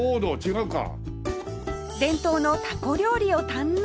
伝統のタコ料理を堪能